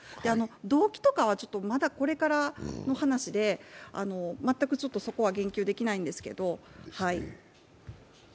動機とかはまだこれからの話で、全くそこは言及できないんですけれども。